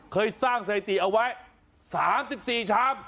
เคยสร้างสถิติเอาไว้๓๔ชาม